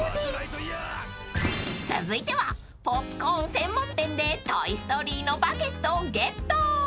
［続いてはポップコーン専門店で『トイ・ストーリー』のバケットをゲット］